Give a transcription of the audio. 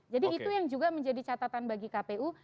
jadi itu yang juga menjadi catatan bagi kpu